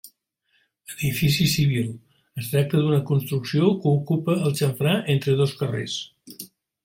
Edifici civil, es tracta d'una construcció que ocupa el xamfrà entre dos carrers.